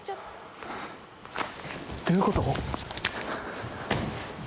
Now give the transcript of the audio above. どういうこと？